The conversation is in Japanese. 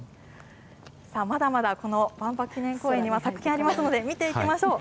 まだまだこの万博記念公園には作品ありますので、見ていきましょう。